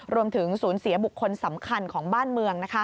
รวมถึงสูญเสียบุคคลสำคัญของบ้านเมือง